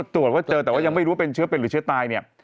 ตรวจว่าเจอแต่ว่ายังไม่รู้ว่าเป็นเชื้อเป็นหรือเชื้อตายเนี่ย